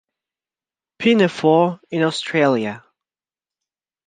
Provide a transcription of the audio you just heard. Pinafore in Australia.